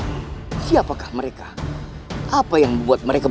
mendapatkan apa yang kau inginkan